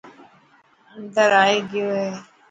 اندر آئي گيو هي.